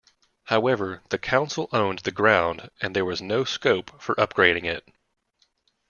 However, the council owned the ground and there was no scope for upgrading it.